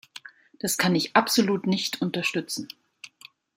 Das kann ich absolut nicht unterstützen.